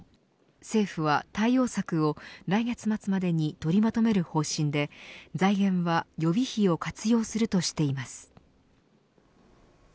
政府は対応策を来月末までに取りまとめる方針で財源は予備費を活用するとしています。